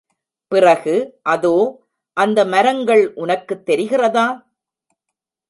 பிறகு, அதோ, அந்த மரங்கள் உனக்குத் தெரிகிறதா?